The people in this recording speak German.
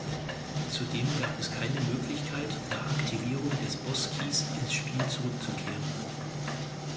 Zudem gab es keine Möglichkeit, nach Aktivierung des Boss-Keys ins Spiel zurückzukehren.